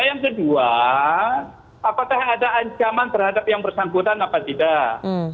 yang kedua apakah ada ancaman terhadap yang bersangkutan apa tidak